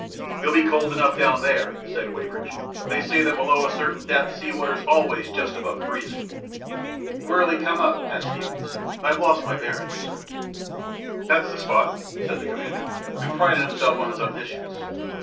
" He'll be cold enough down there," said Wey bridge. " They say that below a certain depth sea water's always just about freezing." " Where'll he come up ?" asked Steevens. " I've lost my bearings." 78 THE PLATTNER STORY AND OTHERS " That's the spot," said the commander, who prided himself on his omniscience.